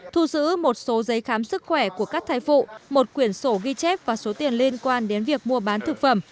thu giữ một số giấy khám sức khỏe của các thai phụ một quyển sổ ghi chép và số tiền liên quan đến việc mua bán thực phẩm